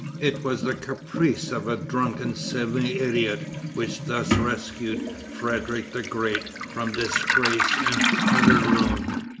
It was the caprice of a drunken semi idiot which thus rescued Frederic the Great from disgrace and utter ruin.